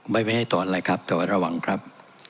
ไม่ให้ถอนอะไรครับแต่ว่าระวังครับ